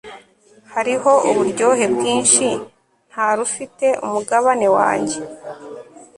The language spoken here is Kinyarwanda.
Hariho uburyohe bwinshi ntarufite umugabane wanjye